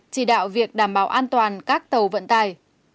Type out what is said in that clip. chỉ đạo việc đảm bảo an toàn các tàu vận tài